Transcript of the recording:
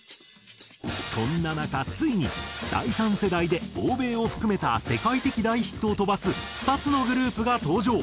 そんな中ついに第３世代で欧米を含めた世界的大ヒットを飛ばす２つのグループが登場。